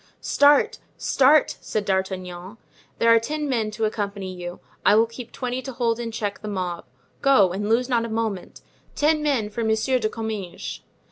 "Start, start!" said D'Artagnan. "There are ten men to accompany you. I will keep twenty to hold in check the mob; go, and lose not a moment. Ten men for Monsieur de Comminges."